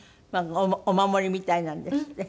お守りみたいなんですって？